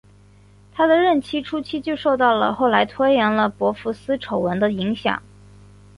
他的任期初期就受到了后来拖延了博福斯丑闻的影响。